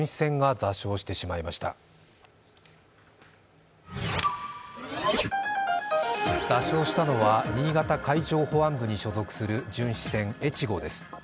座礁したのは新潟海上保安部に所属する巡視船「えちご」です。